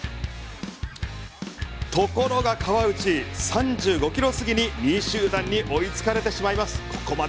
ところが川内、３５キロ過ぎに２位集団に追い付かれてしまいます。